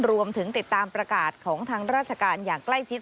รวมถึงติดตามประกาศของทางราชการอย่างใกล้ชิด